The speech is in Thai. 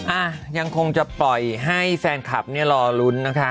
อ่ะยังคงจะปล่อยให้แฟนคลับเนี่ยรอลุ้นนะคะ